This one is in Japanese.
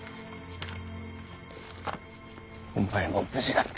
お前も無事だったか。